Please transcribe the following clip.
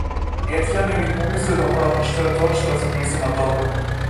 Етја не ни помисли да праша што е тоа што е за нејзино добро.